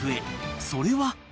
［それは］